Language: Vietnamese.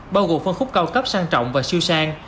bao gồm phân khúc cao cấp sang trọng và siêu sang